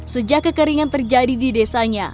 sejak kekeringan terjadi di desanya